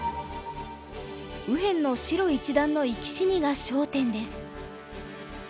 右辺の白一団の生き死にが焦点です。